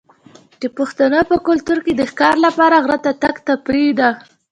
د پښتنو په کلتور کې د ښکار لپاره غره ته تګ تفریح ده.